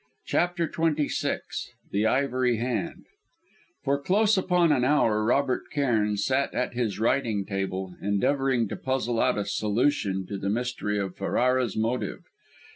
CHAPTER XXVI THE IVORY HAND For close upon an hour Robert Cairn sat at his writing table, endeavouring to puzzle out a solution to the mystery of Ferrara's motive.